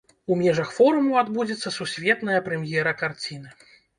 У межах форуму адбудзецца сусветная прэм'ера карціны.